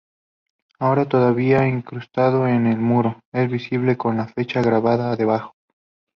Ahora todavía incrustado en el muro, es visible con la fecha grabada debajo.